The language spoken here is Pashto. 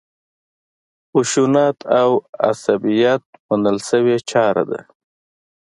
خشونت او عصبیت منل شوې چاره ده.